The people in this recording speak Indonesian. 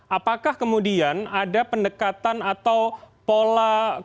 apakah kemudian ada pendekatan atau pola